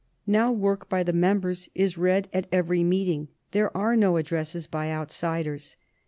Now work by the members is read at every meeting; there are no addresses by outsiders.